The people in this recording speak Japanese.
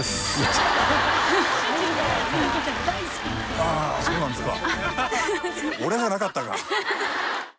ああそうなんですか